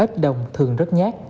ếch đồng thường rất nhát